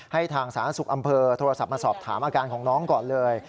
ทางสาธารณสุขอำเภอโทรศัพท์มาสอบถามอาการของน้องก่อนเลย